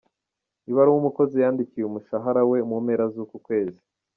Ibaruwa umukozi yandikiye umushahara we mu mpera z’ukwezi